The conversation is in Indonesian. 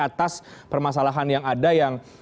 atas permasalahan yang ada yang